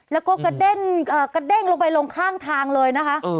แล้วก็กระเด้งลงไปลงข้างทางเลยนะคะ